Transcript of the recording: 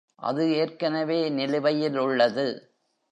அது ஏற்கனவே நிலுவையிலுள்ளது.